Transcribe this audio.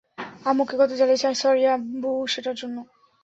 আম্মুকে কত জ্বালিয়েছি, সরি আব্বু সেটার জন্য!